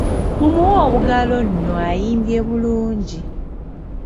Mumuwe obugalo nno ayimbye bulungi.